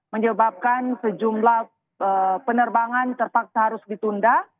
menyebabkan sejumlah penerbangan terpaksa harus ditunda